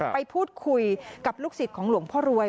ไปพูดคุยกับลูกศิษย์ของหลวงพ่อรวย